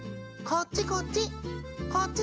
・こっちこっち！